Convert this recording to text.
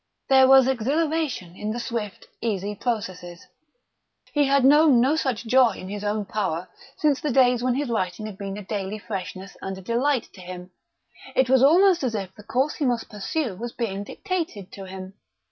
There was exhilaration in the swift, easy processes. He had known no so such joy in his own power since the days when his writing had been a daily freshness and a delight to him. It was almost as if the course he must pursue was being dictated to him.